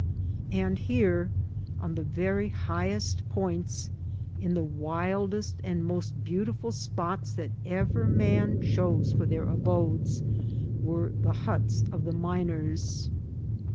And here, on tfie very highest points, in the wildest and most beau tiful spots that ever men chose for their abodes, were the huts of the miners.